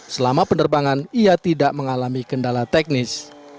selama penerbangan ia tidak mengalami kendala teknis